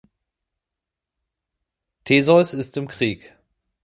Theseus ist im Krieg.